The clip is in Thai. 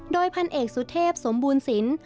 โดยพันเอกสุทธิพธ์สมบูรณ์สิน